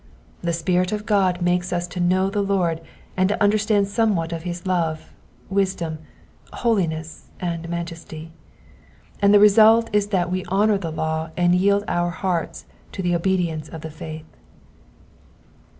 The Spirit of God makes us to know the Lord and to understand somewhat of his love, wisdom, holiness, and majesty ; and the result is that we honour the law and yield our hearts to the obedience of the faith.